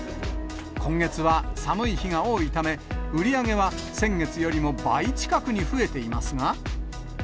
今月は寒い日が多いため、売り上げは先月よりも倍近くに増えていますが。